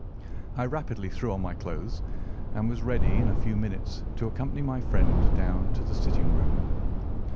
I rapidly threw on my clothes and was ready in a few minutes to accompany my friend down to the sitting room.